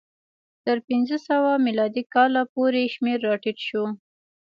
تر پنځه سوه میلادي کاله پورې شمېر راټیټ شو.